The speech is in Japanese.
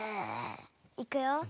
いくよ。